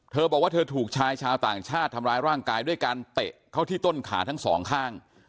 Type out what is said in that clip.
เธอบอกว่าเธอถูกชายชาวต่างชาติทำร้ายร่างกายด้วยการเตะเข้าที่ต้นขาทั้งสองข้าง